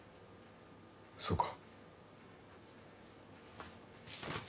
そうか。